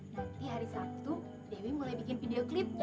nanti hari sabtu dewi mulai bikin video klip